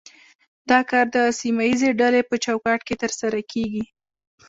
دا کار د سیمه ایزې ډلې په چوکاټ کې ترسره کیږي